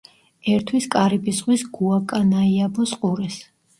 ერთვის კარიბის ზღვის გუაკანაიაბოს ყურეს.